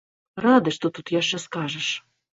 Рады, што тут яшчэ скажаш?